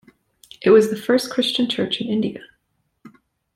It was the first Christian Church in India.